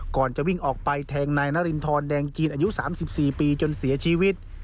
ก่อนจะวิ่งออกไปแทงนายนารินทรแดงจีนอายุ๓๔ปีจนเสียชีวิต